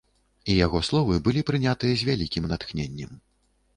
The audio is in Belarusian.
І яго словы былі прынятыя з вялікім натхненнем.